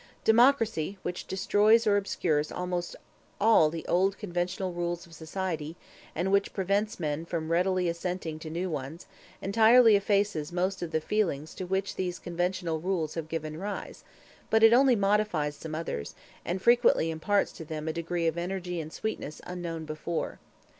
Democracy, which destroys or obscures almost all the old conventional rules of society, and which prevents men from readily assenting to new ones, entirely effaces most of the feelings to which these conventional rules have given rise; but it only modifies some others, and frequently imparts to them a degree of energy and sweetness unknown before.